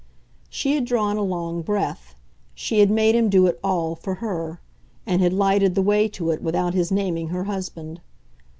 She had drawn a long breath; she had made him do it ALL for her, and had lighted the way to it without his naming her husband.